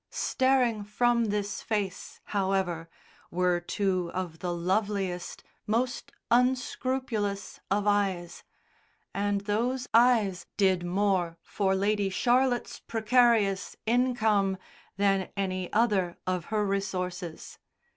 Staring from this face, however, were two of the loveliest, most unscrupulous of eyes, and those eyes did more for Lady Charlotte's precarious income than any other of her resources.